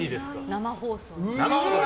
生放送に。